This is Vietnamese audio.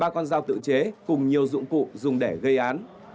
ba con dao tự chế cùng nhiều dụng cụ dùng để gây án